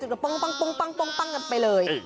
ต้องต้องต้องต้องต้องต้องกันไปเลย